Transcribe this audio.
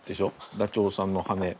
ダチョウさんの羽根。